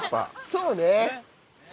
そうね。